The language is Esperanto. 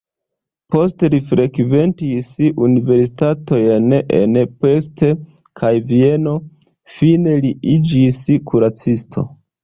Poste li frekventis universitatojn en Pest kaj Vieno, fine li iĝis kuracisto.